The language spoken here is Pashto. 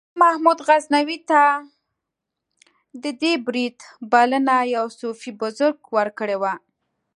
محمود غزنوي ته د دې برید بلنه یو صوفي بزرګ ورکړې وه.